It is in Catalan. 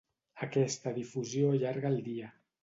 Aquesta difusió allarga el dia.